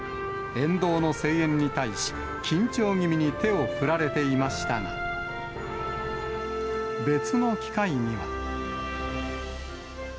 沿道の声援に対し、緊張気味に手を振られていましたが、別の機会には。